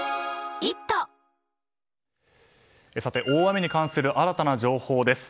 大雨に関する新たな情報です。